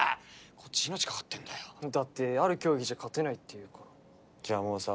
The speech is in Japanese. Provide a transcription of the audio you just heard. こっち命懸かってんだよだってある競技じゃ勝てないって言うからじゃあもうさ